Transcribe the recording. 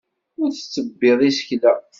Ur tettebbiḍ isekla.